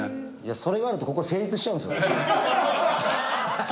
それがあるとここ成立しちゃうんですよ。